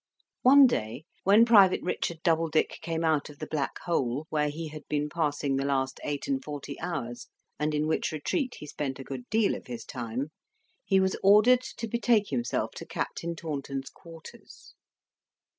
One day, when Private Richard Doubledick came out of the Black hole, where he had been passing the last eight and forty hours, and in which retreat he spent a good deal of his time, he was ordered to betake himself to Captain Taunton's quarters.